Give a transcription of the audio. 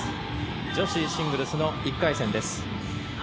女子シングルスの１回戦です。